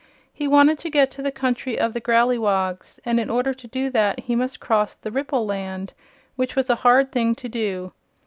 He wanted to get to the Country of the Growleywogs, and in order to do that he must cross the Ripple Land, which was a hard thing to do.